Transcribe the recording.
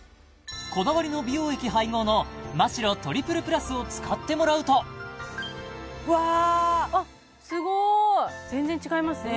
こだわりの美容液配合のマ・シロトリプルプラスを使ってもらうとうわあっすごい全然違いますね